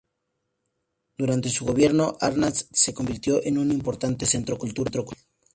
Durante su gobierno, Arnstadt se convirtió en un importante centro cultural.